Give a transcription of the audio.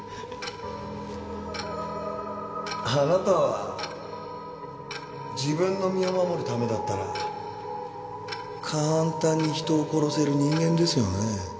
あなたは自分の身を守るためだったら簡単に人を殺せる人間ですよね？